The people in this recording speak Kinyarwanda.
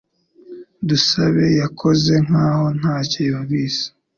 Dusabe yakoze nkaho ntacyo yumvise